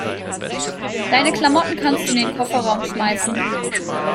Deine Klamotten kannst du in den Kofferraum schmeißen.